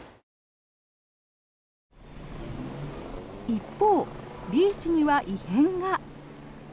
一方、ビーチには異変が。